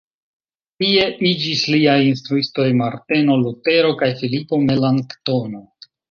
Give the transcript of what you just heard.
Tie iĝis liaj instruistoj Marteno Lutero kaj Filipo Melanktono.